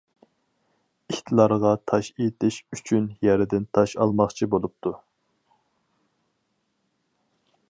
ئىتلارغا تاش ئېتىش ئۈچۈن يەردىن تاش ئالماقچى بولۇپتۇ.